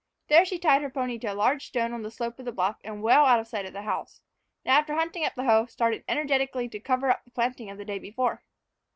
There she tied her pony to a large stone on the slope of the bluff and well out of sight of the house, and, after hunting up the hoe, started energetically to cover up the planting of the day before.